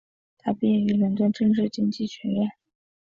他毕业于伦敦政治经济学院。